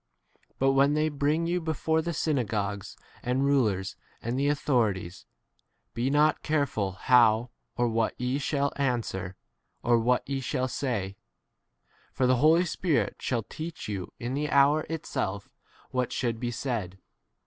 But when they bring you before the synagogues and rulers and the authorities, be not careful how or what ye shall an 12 swer, or what ye shall say ; for the Holy Spirit shall teach you in the hour itself what should be said.